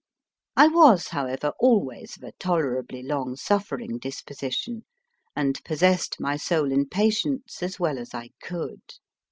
I was, however, always of a tolerably long suffering dis position, and possessed my soul in patience as well as I could.